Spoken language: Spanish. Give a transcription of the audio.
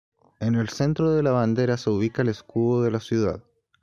En el centro de la bandera se ubica el escudo de la ciudad.